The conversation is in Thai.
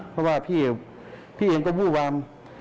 เพราะว่าพี่เองก็วู้วาม